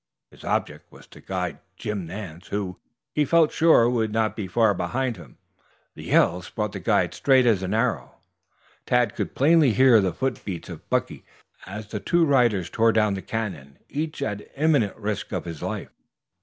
His object was to guide Jim Nance, who, he felt sure, would be not far behind him. The yells brought the guide straight as an arrow. Tad could plainly hear the foot beats of Buckey as the two riders tore down the Canyon, each at the imminent risk of his life.